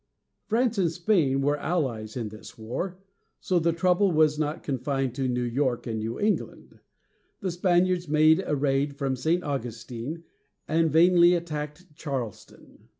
France and Spain were allies in this war, so the trouble was not confined to New York and New England. The Spaniards made a raid from St. Augustine, and vainly attacked Charleston.